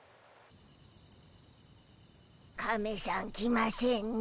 カメしゃん来ましぇんね。